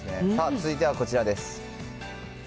続いてはこちらです。